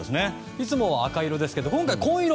いつもは赤色ですけど今回は紺色。